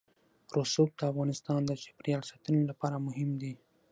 رسوب د افغانستان د چاپیریال ساتنې لپاره مهم دي.